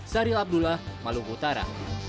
saril abdullah maluku utara